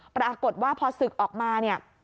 ปรากฏว่าพอศึกออกมา